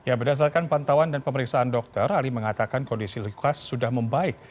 ya berdasarkan pantauan dan pemeriksaan dokter ali mengatakan kondisi lukas sudah membaik